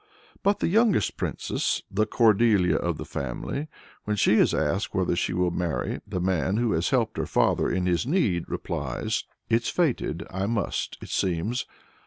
But the youngest princess, the Cordelia of the family, when she is asked whether she will marry the man who has helped her father in his need, replies: "It's fated I must, it seems!